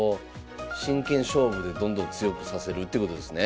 真剣勝負でどんどん強くさせるってことですね。